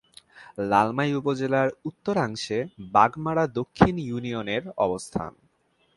লালমাই উপজেলার উত্তরাংশে বাগমারা দক্ষিণ ইউনিয়নের অবস্থান।